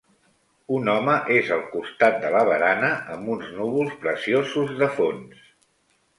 Un home és al costat de la barana amb uns núvols preciosos de fons